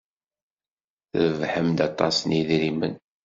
Trebḥem-d aṭas n yidrimen.